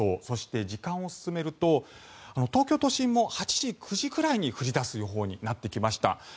そして、時間を進めると東京都心も８時、９時くらいに降り出す予報になってきました。